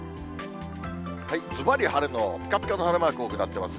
ずばり晴れのぴかぴかの晴れマーク、多くなっています。